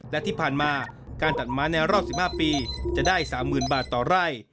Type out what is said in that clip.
และที่ผ่านมาการตัดม้าในรอบ๑๕ปีจะได้๓๐๐๐บาทต่อไร่